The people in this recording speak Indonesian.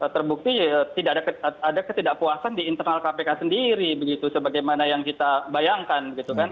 terbukti tidak ada ketidakpuasan di internal kpk sendiri begitu sebagaimana yang kita bayangkan gitu kan